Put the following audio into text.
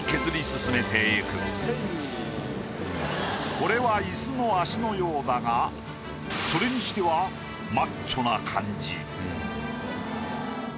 これはイスの脚のようだがそれにしてはマッチョな感じ。